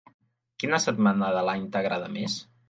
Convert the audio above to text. Quina setmana de l'any t'agrada més?